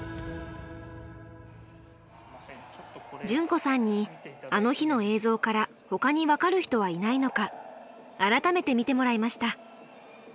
純子さんに「あの日」の映像からほかに分かる人はいないのか改めて見てもらいました。